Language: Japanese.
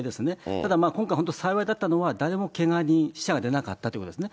ただ、今回幸いだったのは、誰もけが人、死者が出なかったってことですね。